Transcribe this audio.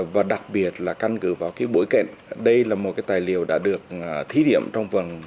và đặc biệt là căn cứ vào cái bối kẹt đây là một cái tài liệu đã được thí điểm trong vần gần bốn mươi năm qua